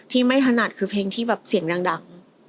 ที่ไม่ถนัดคือเพลงที่แบบเสียงดัง